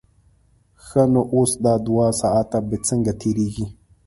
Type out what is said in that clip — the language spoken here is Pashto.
ښه نو اوس دا دوه ساعته به څنګه تېرېږي.